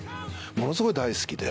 ものすごい大好きで。